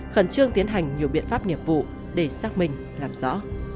khẩn trương tiến hành nhiều biện pháp nghiệp vụ để xác minh làm rõ